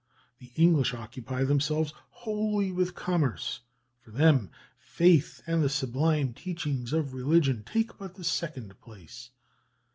The English occupy themselves wholly with commerce: for them, faith and the sublime teachings of religion take but the second place."